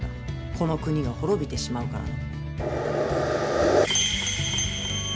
この国が滅びてしまうからの。